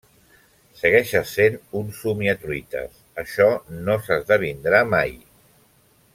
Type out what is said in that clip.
Segueixes sent un somiatruites. Això no s'esdevindrà mai.